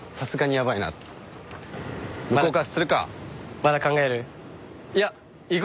まだ考える？